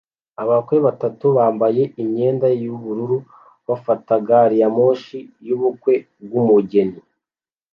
Abakwe batatu bambaye imyenda yubururu bafata gari ya moshi yubukwe bwumugeni